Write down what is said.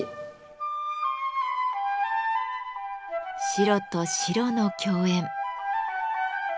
白と白の競演。